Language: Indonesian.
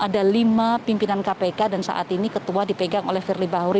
ada lima pimpinan kpk dan saat ini ketua dipegang oleh firly bahuri